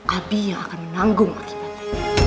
abi yang akan menanggung akibatnya